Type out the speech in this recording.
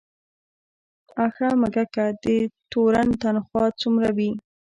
آ ښه مککه، د تورن تنخواه څومره وي؟